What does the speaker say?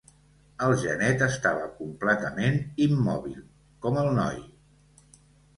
El genet estava completament immòbil, com el noi.